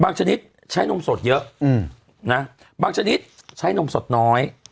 ชนิดใช้นมสดเยอะนะบางชนิดใช้นมสดน้อย